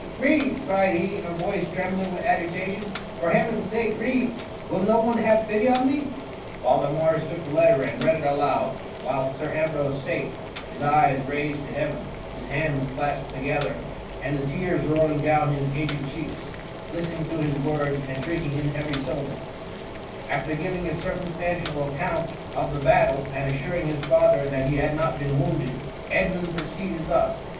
read r cried he, in a voice trem bling with agitation, " For Heavens sake read !— will no one hai^e pity on me ?"" Father Morris took the letter, and read it aloud, whilst Sir Ambrose sate — his eyes raised to Heaven, his hands clasped together, and I ) THE MUMMY. TS the tears rolling down his aged cheeks, listening to his words, and drinking in every syllable* After giving a circumstantial account of the battle, and assuring his father that he had not been wounded, Edmund proceeded thus.